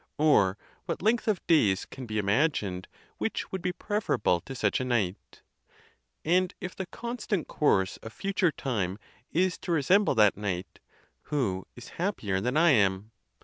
or what length of days can be imagined which would be preferable to such anight? And if the constant course of future tiine ON THE CONTEMPT OF DEATH. 53 is to resemble that night, who is happier than I am?